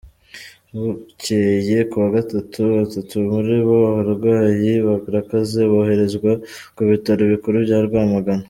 Bukeye kuwa gatatu batatu muri bo uburwayi bwarakaze boherezwa ku bitaro bikuru bya Rwamagana.